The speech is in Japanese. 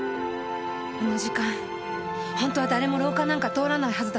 あの時間本当は誰も廊下なんか通らないはずだった。